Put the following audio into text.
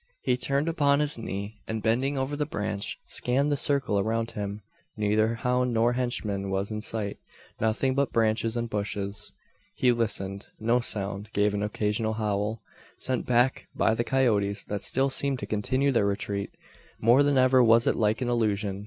He turned upon his knee, and bending over the branch, scanned the circle around him. Neither hound nor henchman was in sight. Nothing but branches and bushes! He listened. No sound, save an occasional howl, sent back by the coyotes that still seemed to continue their retreat! More than ever was it like an illusion.